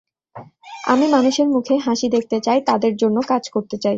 আমি মানুষের মুখে হাসি দেখতে চাই, তাঁদের জন্য কাজ করতে চাই।